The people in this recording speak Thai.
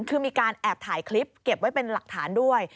คือมีการแอบถ่ายคลิปเก็บไว้เป็นหลักฐานด้วย